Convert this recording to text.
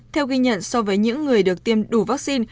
theo ghi nhận so với những người được tiêm đủ vaccine